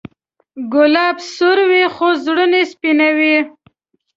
ګلاب سور وي، خو زړونه سپینوي.